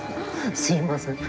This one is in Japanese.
すみません。